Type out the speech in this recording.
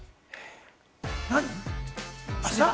何？